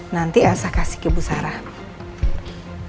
nanti elsa kasih ke bu sarah